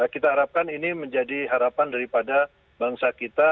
kita harapkan ini menjadi harapan daripada bangsa kita